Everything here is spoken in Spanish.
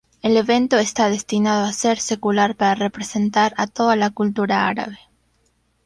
El evento está destinado a ser secular para representar a toda la cultura árabe.